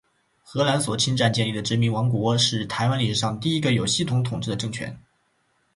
荷兰所侵占建立的殖民王国，是台湾历史上第一个有系统统治的政权。